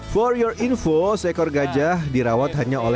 for your info seekor gajah dirawat dengan baik